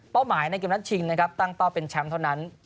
หมายในเกมนัดชิงนะครับตั้งเป้าเป็นแชมป์เท่านั้น